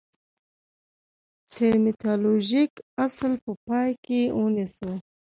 ټرمینالوژیک اصل په پام کې ونیسو.